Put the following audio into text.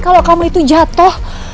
kalau kamu itu jatuh